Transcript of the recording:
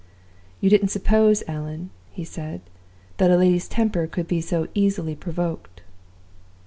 "'You didn't suppose, Allan,' he said, 'that a lady's temper could be so easily provoked.